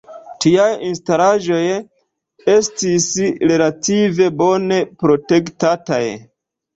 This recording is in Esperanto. Tiaj instalaĵoj estis relative bone protektataj.